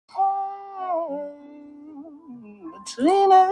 El oficial demandó nuevamente la rendición del filibustero.